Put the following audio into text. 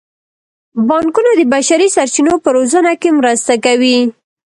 بانکونه د بشري سرچینو په روزنه کې مرسته کوي.